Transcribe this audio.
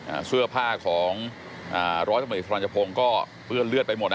อ่าเสื้อผ้าของอ่าร้อยตำรวจเอกสรรยพงศ์ก็เปื้อนเลือดไปหมดอ่ะ